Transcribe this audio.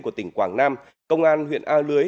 của tỉnh quảng nam công an huyện a lưới